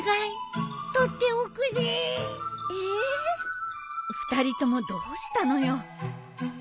２人ともどうしたのよ？